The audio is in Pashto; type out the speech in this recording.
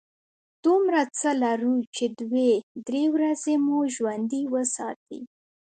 دومره څه لرو چې دوې – درې ورځې مو ژوندي وساتي.